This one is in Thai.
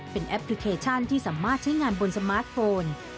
เป็นแอปพลิเคชันที่สามารถใช้งานบนสมาร์ทโฟน